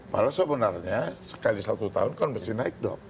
malah sebenarnya sekali satu tahun kan mesti naik dock